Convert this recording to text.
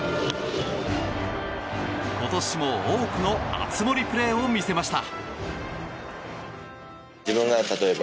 今年も多くの熱盛プレーを見せました。